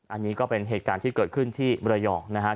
อันนี้ก็เป็นเหตุการณ์ที่เกิดขึ้นที่มรยองนะครับ